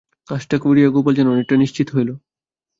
কাজটা করিয়া গোপাল যেন অনেকটা নিশ্চিত হইল।